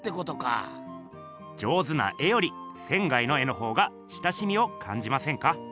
上手な絵より仙の絵のほうが親しみをかんじませんか？